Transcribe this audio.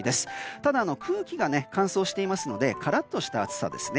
ただ空気が乾燥していますのでカラッとした暑さですね。